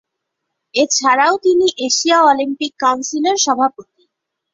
এছাড়াও তিনি Asia Olympic কাউন্সিলের সভাপতি।